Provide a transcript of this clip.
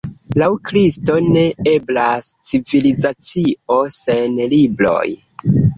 Laŭ Kristo, ne eblas civilizacio sen libroj.